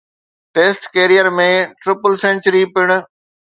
test career ۾ triple century پڻ